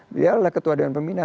beliau adalah ketua dewan pembina